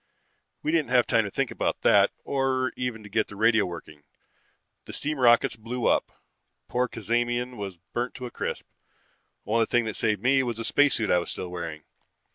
"We didn't have time to think about that, or even to get the radio working. The steam rockets blew up. Poor Cazamian was burnt to a crisp. Only thing that saved me was the spacesuit I was still wearing.